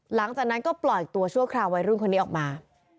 หลังจากนั้นก็ปล่อยตัวชั่วคราววัยรุ่นคนนี้ออกมา